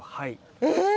えっ？